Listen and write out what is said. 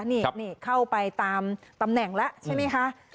นี่เข้าไปตามตำแหน่งแล้วใช่ไหมคะ